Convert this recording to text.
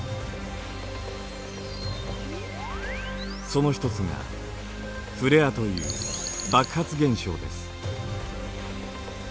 その一つがフレアという爆発現象です。